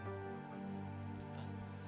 kejutan apaan tuh ya